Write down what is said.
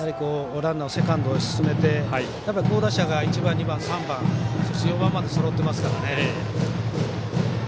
ランナーをセカンドに進めて好打者が１番から４番までそろっていますからね。